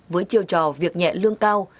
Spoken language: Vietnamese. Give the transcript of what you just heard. với chiêu trò việc nhẹ lương cao